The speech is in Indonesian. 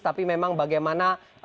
tapi memang bagaimana